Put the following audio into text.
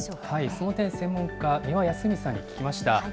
その点、専門家、三輪泰史さんに聞きました。